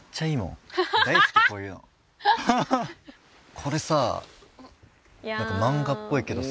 これさなんか漫画っぽいけどさ。